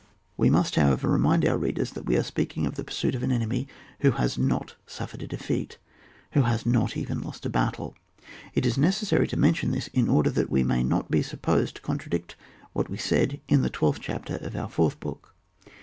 We must, however, remind our readers that we are speaking of the pursuit of an enemy who has not suffered a defeat, who has not even lost a battle. It is necessary to mention this, in order that we may not be supposed to contradict what was said in the twelfth chapter of our fourth book.